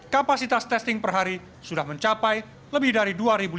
kapasitas testing per hari sudah mencapai lebih dari dua lima ratus